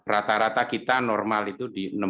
rata rata kita normal itu di